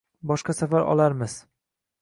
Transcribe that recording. Boshqa safar olarmiz